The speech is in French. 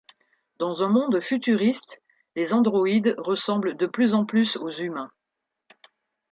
Dans un monde futuriste, les androïdes ressemblent de plus en plus aux humains.